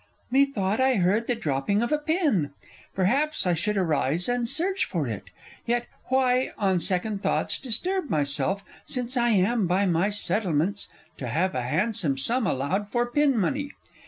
_ Methought I heard the dropping of a pin! Perhaps I should arise and search for it.... Yet why, on second thoughts, disturb myself, Since I am, by my settlements, to have A handsome sum allowed for pin money?